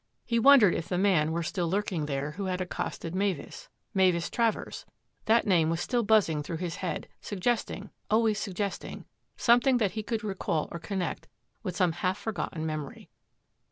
He wondered if the man were still lurking there who had accosted Mavis — Mavis Travers — that name was still buzzing through his head, suggesting, always suggesting, something that he should recall or connect with some half forgotten memory.